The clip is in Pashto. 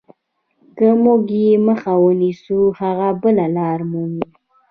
که موږ یې مخه ونیسو هغه بله لار مومي.